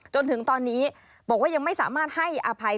จนถึงตอนนี้บอกว่ายังไม่สามารถให้อภัย